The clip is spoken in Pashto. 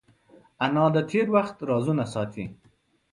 انا د تېر وخت رازونه ساتي